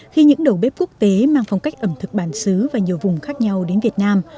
khi những đầu bếp quốc tế mang phong cách ẩm thực bản xứ và nhiều vùng khác nhau đến việt nam